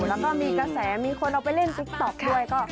แล้วก็มีกระแสมีคนเอาไปเล่นติ๊กต๊อกด้วย